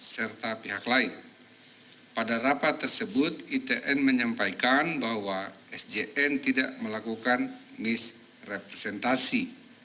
serta pihak lain pada rapat tersebut itn menyampaikan bahwa sjn tidak melakukan misrepresentasi